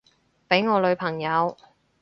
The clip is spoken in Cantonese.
畀我女朋友